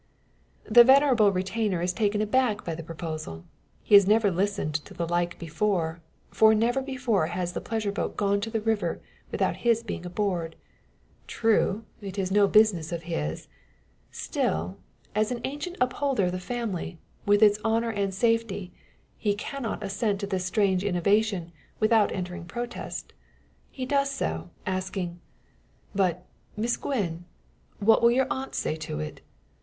The venerable retainer is taken aback by the proposal. He has never listened to the like before; for never before has the pleasure boat gone to river without his being aboard. True, it is no business of his; still, as an ancient upholder of the family, with its honour and safety, he cannot assent to this strange innovation without entering protest. He does so, asking: "But, Miss Gwen; what will your aunt say to it?